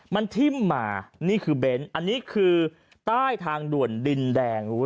มันทิ่มมานี่คือเบนท์อันนี้คือใต้ทางด่วนดินแดง